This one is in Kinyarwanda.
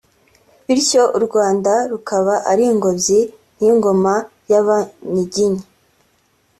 bityo u Rwanda rukaba ari ingobyi y’ingoma y’Abanyiginya